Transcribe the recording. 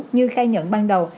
như khai nhận ban đầu